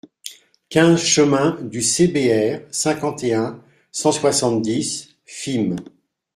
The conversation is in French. quinze chemin du CBR, cinquante et un, cent soixante-dix, Fismes